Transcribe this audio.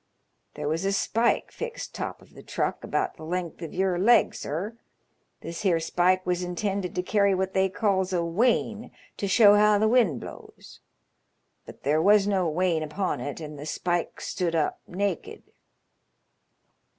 There was a spike fixed top of the truck about the length of your leg, sir. This here spike was intended to carry what they calls a wane, to show how the wind blows ; but there was no wane upon it, and the spike stood up naked.